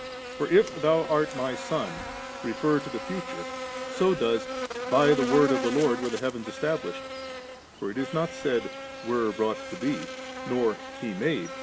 For if ' Thou art My Son' refer to the future^ so does 'By the Word of the Lord were the heavens established;' for it is not said ' were brought to be,' nor ' He made.'